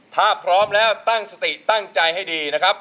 ถ้าพร้อมแล้วตั้งสติตั้งใจให้ดีนะครับ